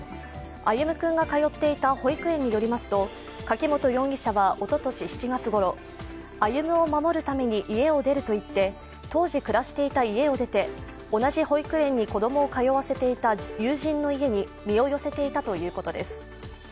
歩夢君が通っていた保育園によりますと柿本容疑者はおととし７月ごろ歩夢を守るために家を出るといって、当時暮らしていた家を出て同じ保育園に子供を通わせていた友人の家に身を寄せていたということです。